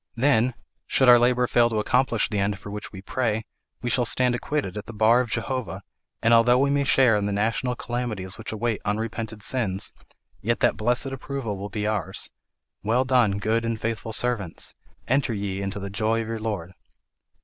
Then, should our labour fail to accomplish the end for which we pray, we shall stand acquitted at the bar of Jehovah, and although we may share in the national calamities which await unrepented sins, yet that blessed approval will be ours 'Well done, good and faithful servants, enter ye into the joy of your Lord.'"